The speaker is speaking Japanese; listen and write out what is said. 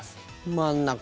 真ん中。